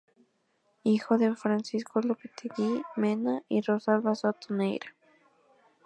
Hijo de Francisco Lopetegui Mena y Rosalba Soto Neira.